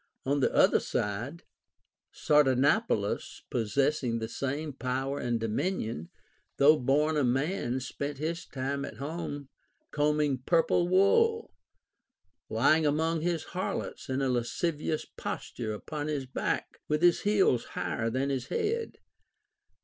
On the other side, Sardanapalus possessing the same power and dominion, though born a man, spent his time at home combing purple wool, lying among his har lots in a lascivious posture upon his back, with his heels higher than his head.